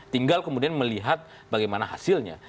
tinggal kemudian melihat bagaimana hasilnya